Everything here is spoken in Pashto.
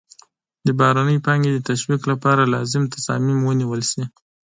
د بهرنۍ پانګې د تشویق لپاره لازم تصامیم ونیول شي.